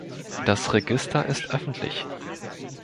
Das Register ist öffentlich.